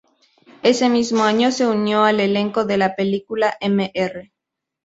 Ese mismo año se unió al elenco de la película "Mr.